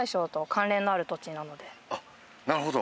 あっなるほど。